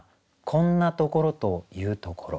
「こんなところと云ふところ」